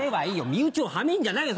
身内をハメんじゃないよ